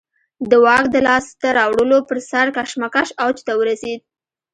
د واک د لاسته راوړلو پر سر کشمکش اوج ته ورسېد.